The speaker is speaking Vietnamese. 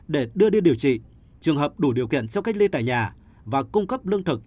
để đưa đi điều trị trường hợp đủ điều kiện cho cách ly tại nhà và cung cấp lương thực